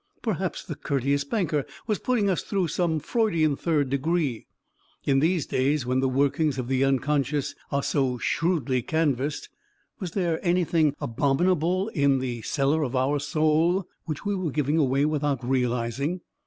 Perhaps the courteous banker was putting us through some Freudian third degree ... in these days when the workings of the unconscious are so shrewdly canvassed, was there anything abominable in the cellar of our soul which we were giving away without realizing